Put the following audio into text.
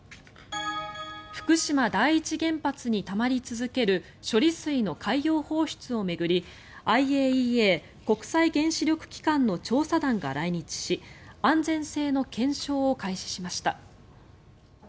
福島第一原発にたまり続ける処理水の海洋放出を巡りＩＡＥＡ・国際原子力機関の調査団が来日し安全性の検証を開始しました。